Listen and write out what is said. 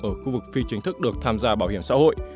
ở khu vực phi chính thức được tham gia bảo hiểm xã hội